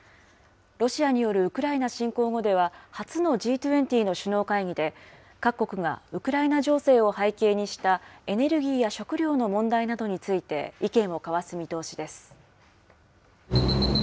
ロシアによるウクライナ侵攻後では初のＧ２０の首脳会議で、各国がウクライナ情勢を背景にしたエネルギーや食料の問題などについて、意見を交わす見通しです。